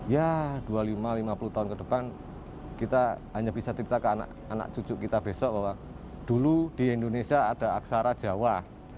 ya dua puluh lima lima puluh tahun ke depan kita hanya bisa cerita ke anak cucu kita besok bahwa dulu di indonesia ada aksara jawa